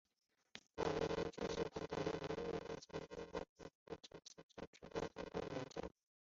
依据战时的日伪档案、日本人在华文献和书籍、日军老兵回忆、战时中国报刊资料、中国受害者和证人的证词